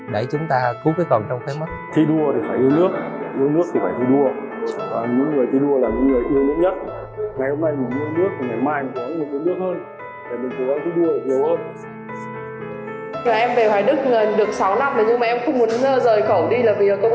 để chúng ta cứu cái còn trong cái mất